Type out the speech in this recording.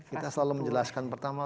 kita selalu menjelaskan pertama